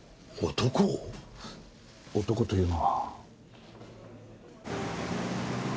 男というのは。